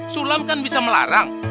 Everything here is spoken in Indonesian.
sulam kan bisa melarang